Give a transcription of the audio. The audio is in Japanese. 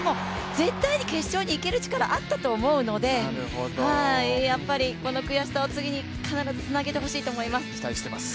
絶対に決勝に行ける力はあったと思うので、やっぱりこの悔しさを次に必ずつなげてほしいと思います。